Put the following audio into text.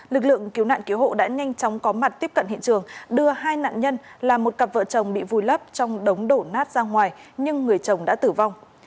lực lượng cứu nạn cứu hộ đã nhanh chóng có mặt tiếp cận hiện trường đưa hai nạn nhân là một cặp vợ chồng bị vùi lấp trong đống đổ nát ra ngoài nhưng người chồng đã tử vong